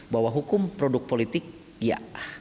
bahwa hukum produk politik ya